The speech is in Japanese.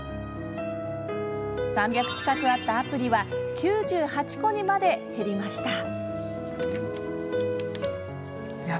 ３００近くあったアプリは９８個にまで減りました。